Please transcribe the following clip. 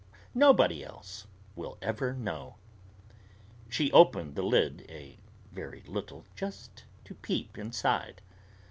Nobody else will ever know." She opened the lid a very little, just to peep inside.